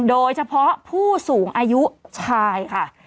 โดยเฉพาะผู้สูงอายุชายค่ะ